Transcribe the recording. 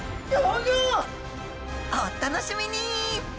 お楽しみに！